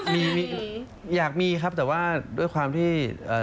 มีอยากมีครับแต่ว่าด้วยความที่เอ่อ